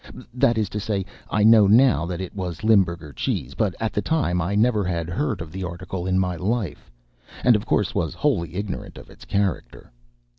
That is to say, I know now that it was Limburger cheese, but at that time I never had heard of the article in my life, and of course was wholly ignorant of its character.